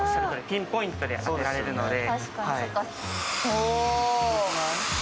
ピンポイントで当てられるので。